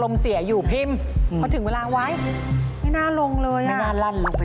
พี่อ้อเล่นเฟซบุ๊กไหมครับ